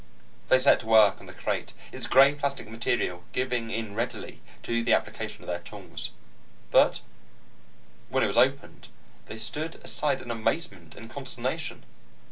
They set to work on the crate, its gray plastic material giving in readily to the application of their tools. But when it was opened, they stood aside in amazement and consternation.